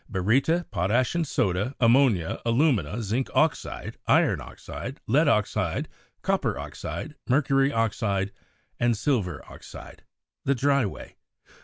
Baryta Potash and soda Ammonia Alumina Zinc oxide Iron oxide Lead oxide Copper oxide Mercury oxide Silver oxide Dry way.